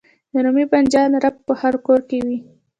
د رومي بانجان رب په هر کور کې وي.